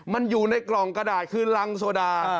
มันอยู่ในกล่องกระดาษคือรังโซดา